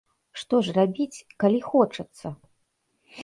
Што ж рабіць, калі хочацца?